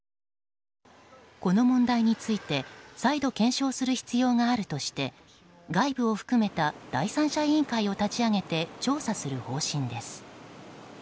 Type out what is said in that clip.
この問題について再度検証する必要があるとして外部を含めた第三者委員会を立ち上げて調査する方針です。